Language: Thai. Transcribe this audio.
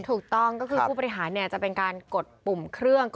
ถูกต้องก็คือผู้บริหารจะเป็นการกดปุ่มเครื่อง